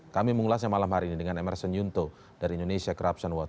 kami mengulasnya malam hari ini dengan emerson yunto dari indonesia corruption watch